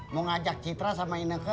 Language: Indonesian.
mau ngajak citra sama ineke